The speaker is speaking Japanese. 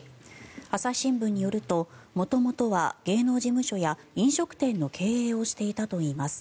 朝日新聞によると元々は芸能事務所や飲食店の経営をしていたといいます。